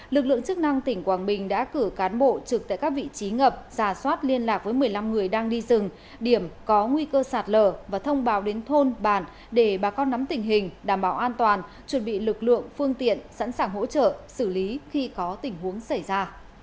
lực lượng chức năng tỉnh quảng bình đã cử cán bộ trực tại các vị trí ngập giả soát liên lạc với một mươi năm người đang đi rừng điểm có nguy cơ sạt lở và thông báo đến thôn bản để bà con nắm tình hình đảm bảo an toàn chuẩn bị lực lượng phương tiện sẵn sàng hỗ trợ xử lý khi có tình huống xảy ra